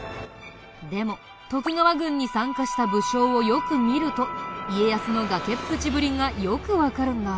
でも徳川軍に参加した武将をよく見ると家康の崖っぷちぶりがよくわかるんだ。